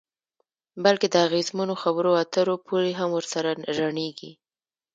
بلکې د اغیزمنو خبرو اترو پولې هم ورسره ړنګیږي.